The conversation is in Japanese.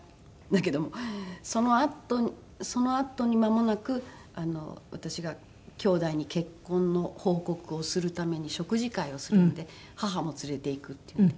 だけどもそのあとそのあとにまもなく私がきょうだいに結婚の報告をするために食事会をするので母も連れていくっていうので。